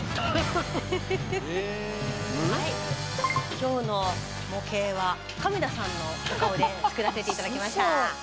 今日の模型は亀田さんのお顔で作らせて頂きました。